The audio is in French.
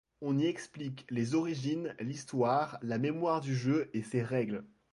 On y explique les origines, l'histoire, la mémoire du jeu et ses règles.